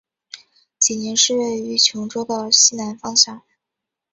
济宁市位于兖州的西南方向。